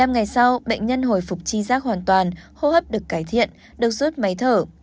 một mươi ngày sau bệnh nhân hồi phục chi giác hoàn toàn hô hấp được cải thiện được rút máy thở